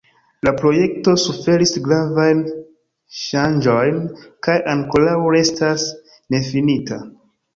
La projekto suferis gravajn ŝanĝojn kaj ankoraŭ restas nefinita.